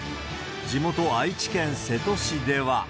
地元、愛知県瀬戸市では。